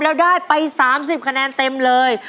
แล้วได้ไปสามสิบคะแนนเต็มเลย